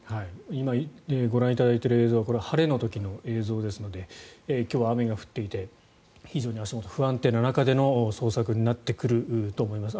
今ご覧いただいている映像晴れの時の映像ですので今日は雨が降っていて非常に足元が不安定な中での捜索になってくると思います。